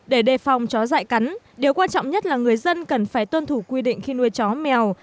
để đề phòng chó dại cắn điều quan trọng nhất là người dân cần phải tuân thủ quy định khi nuôi chó mèo